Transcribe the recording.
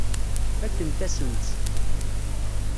Fakkent-asen-tt.